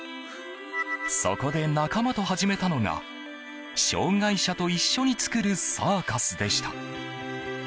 そこで仲間と始めたのが障害者と一緒に作るサーカスでした。